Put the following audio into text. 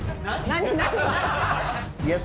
何？